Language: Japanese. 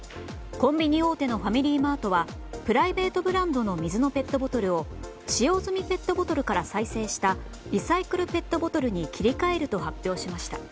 コンビニ大手のファミリーマートはプライベートブランドの水のペットボトルを使用済みペットボトルから再生したリサイクルペットボトルに切り替えると発表しました。